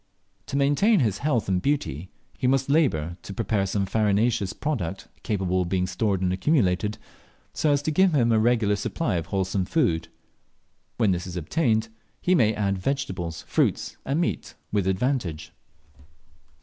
To maintain his health and beauty he must labour to prepare some farinaceous product capable of being stored and accumulated, so as to give him a regular supply of wholesome food. When this is obtained, he may add vegetables, fruits, and meat with advantage.